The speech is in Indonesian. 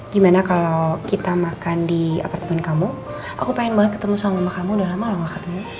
gimana kalau kita makan di apartemen kamu aku pengen banget ketemu sama mama kamu udah lama loh katanya